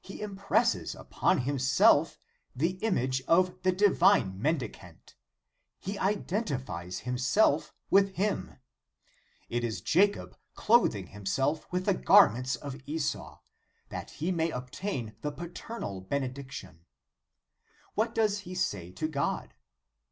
He impresses upon himself the image of the Divine Mendicant; he identifies himself with Him. It is Jacob clothing himself with the garments of Esau, * John, xii. 33. In the Nineteenth Century. 131 that he may obtain the paternal benediction. What does he say to God?